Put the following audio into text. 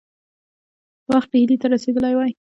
وخت ډهلي ته رسېدلی وای.